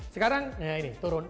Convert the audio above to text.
sekarang ini turun